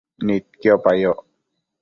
Nidquipa yoc